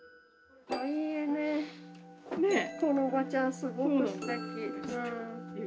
このおばちゃんすごくすてき。